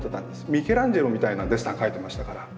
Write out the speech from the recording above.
ミケランジェロみたいなデッサン描いてましたから。